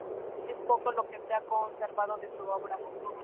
Es poco lo que se ha conservado de su obra.